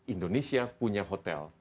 indonesia punya hotel